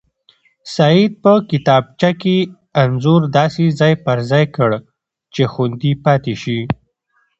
سعید په کتابچه کې انځور داسې ځای پر ځای کړ چې خوندي پاتې شي.